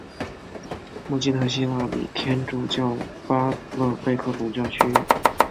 默基特希腊礼天主教巴勒贝克总教区。